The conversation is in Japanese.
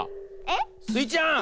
えっ？スイちゃん。